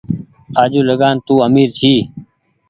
آجوٚنٚ لگآن تو آمير ڇي